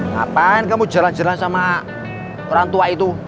kapan kamu jalan jalan sama orang tua itu